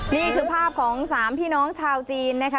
นี่คือภาพของ๓พี่น้องชาวจีนนะคะ